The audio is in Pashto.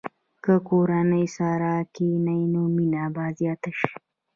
که کورنۍ سره کښېني، نو مینه به زیاته شي.